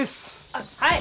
あっはい！